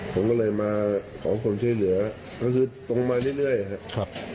ผมก็เลยมาขอความช่วยเหลือก็คือตรงมาเรื่อยครับ